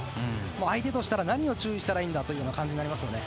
相手からしたら何を注意したらいいんだという感じになりますよね。